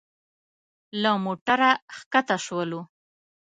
له موټره ښکته شولو.